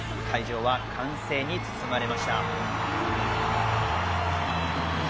会場は歓声に包まれました。